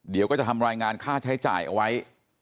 เดี๋ยวก็จะทำรายงานค่าใช้จ่ายเอาไว้